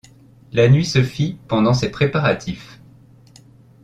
La nuit se fit pendant ces préparatifs.